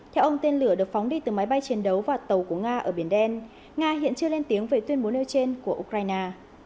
theo ông tên lửa được phóng đi từ máy bay chiến đấu và tàu của nga ở biển đen nga hiện chưa lên tiếng về tuyên bố nêu trên của ukraine